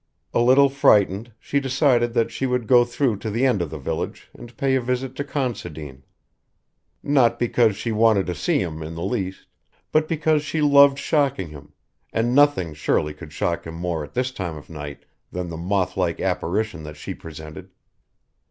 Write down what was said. A little frightened she decided that she would go through to the end of the village and pay a visit to Considine: not because she wanted to see him in the least, but because she loved shocking him, and nothing surely could shock him more at this time of night than the moth like apparition that she presented.